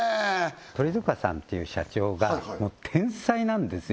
鳥塚さんっていう社長がもう天才なんですよ